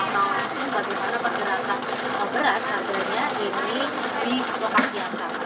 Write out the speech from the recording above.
bagaimana pergerakan beras harganya ini di lokasi yang sama